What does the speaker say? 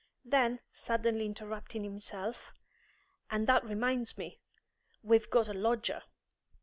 Then, suddenly interrupting himself, "And that reminds me! We've got a lodger."